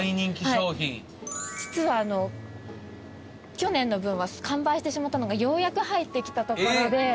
実は去年の分は完売してしまったのがようやく入ってきたところで。